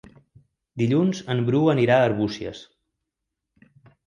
Dilluns en Bru anirà a Arbúcies.